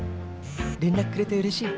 連絡くれて嬉しい。